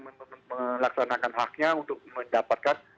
melaksanakan haknya untuk mendapatkan